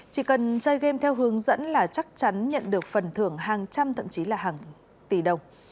chỉ cần chơi game theo hướng dẫn là chắc chắn nhận được phần thưởng hàng trăm thậm chí là hàng tỷ đồng